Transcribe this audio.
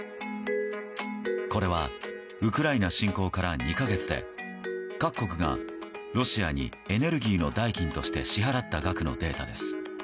これはウクライナ侵攻から２か月で各国がロシアにエネルギーの代金として支払った額のデータです。